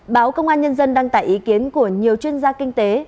báo công an nhân dân đăng tải ý kiến của nhiều chuyên gia kinh tế